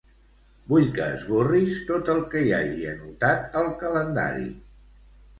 Vull que esborris tot el que hi hagi anotat al calendari.